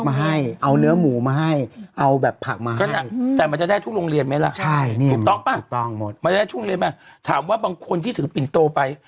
ไปแล้วช่วงเรียนมั้ยถามว่าบางคนที่ถือปินโตไป